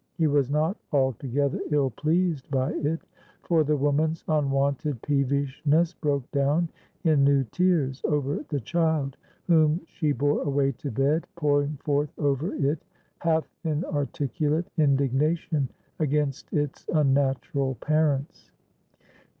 He was not altogether ill pleased by it, for the woman's unwonted peevishness broke down in new tears over the child, whom she bore away to bed, pouring forth over it half inarticulate indignation against its unnatural parents.